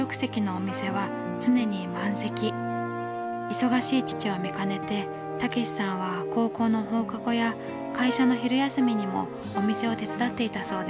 忙しい父を見かねて毅さんは高校の放課後や会社の昼休みにもお店を手伝っていたそうです。